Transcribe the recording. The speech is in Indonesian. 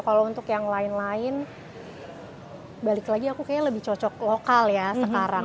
kalau untuk yang lain lain balik lagi aku kayaknya lebih cocok lokal ya sekarang